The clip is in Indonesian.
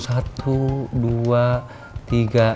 satu dua tiga